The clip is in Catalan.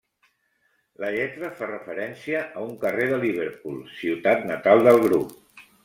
La lletra fa referència a un carrer de Liverpool, ciutat natal del grup.